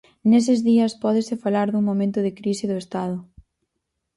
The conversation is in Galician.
Neses días pódese falar dun momento de crise do Estado.